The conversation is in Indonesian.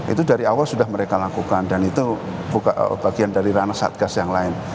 itu dari awal sudah mereka lakukan dan itu bagian dari ranah satgas yang lain